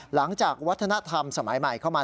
หลังจากวัฒนธรรมสมัยใหม่เข้ามา